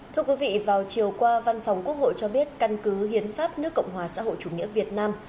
thưa quý vị vào chiều qua văn phòng quốc hội cho biết căn cứ hiến pháp nước cộng hòa xã hội chủ nghĩa việt nam